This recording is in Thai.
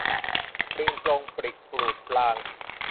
ปริงปรงปริกปรูปราง